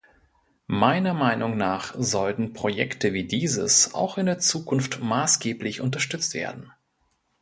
Meiner Meinung nach sollten Projekte wie dieses auch in der Zukunft maßgeblich unterstützt werden.